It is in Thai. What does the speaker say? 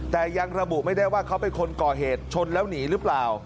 แต่ยังระบุไม่ได้ว่าเขาเป็นคนก่อเหตุชนแล้วหนีหรือเปล่า